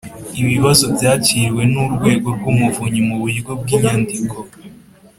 Ibibazo byakiriwe n Urwego rw Umuvunyi mu buryo bw inyandiko